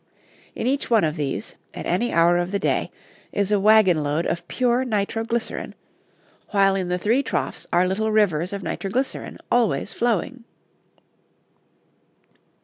In each one of these, at any hour of the day, is a wagon load of pure nitroglycerin, while in the three troughs are little rivers of nitroglycerin always flowing.